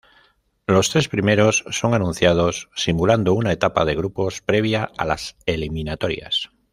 Los tres primeros son anunciados simulando una etapa de grupos previa a las eliminatorias.